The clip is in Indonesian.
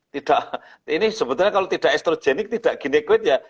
tidak ini sebetulnya kalau tidak estrogenik tidak ginekoid ya